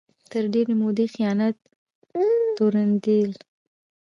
تر ډېرې مودې خیانت تورنېدل